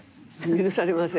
許されません。